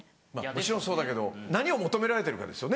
もちろんそうだけど何を求められてるかですよね。